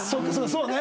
そうね。